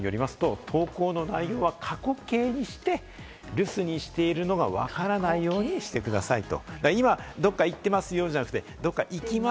中島さんによりますと、投稿の内容は過去形にして、留守にしているのが分からないようにしてくださいと。